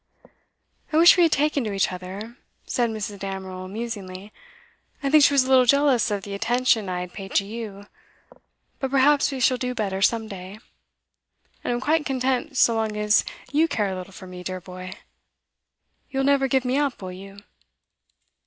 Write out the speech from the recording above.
'I wish we had taken to each other,' said Mrs. Damerel musingly. 'I think she was a little jealous of the attention I had paid to you. But perhaps we shall do better some day. And I'm quite content so long as you care a little for me, dear boy. You'll never give me up, will you?